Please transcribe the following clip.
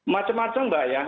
macem macem mbak ya